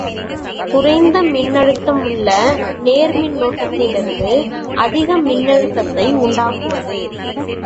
குறைந்த மின்னழுத்தமுள்ள நேர்மின்னோட்டத்திலிருந்து அதிக மின்னழுத்தத்தை உண்டாக்குவது.